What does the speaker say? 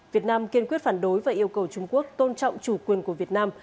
việt nam kiên quyết phản đối và yêu cầu trung quốc tôn trọng chủ quyền của việt nam